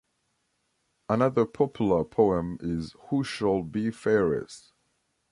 Another popular poem is Who shall be fairest?